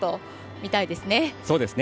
見たいですね。